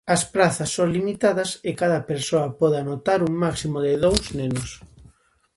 As prazas son limitadas e cada persoa pode anotar un máximo de dous nenos.